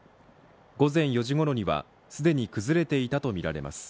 午前４時ごろには、既に崩れていたとみられます。